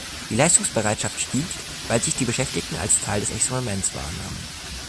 Die Leistungsbereitschaft stieg, weil sich die Beschäftigten als Teil des Experiments wahrnahmen.